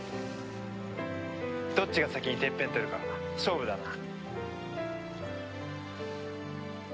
どっちが先にてっぺん取るか勝負だな。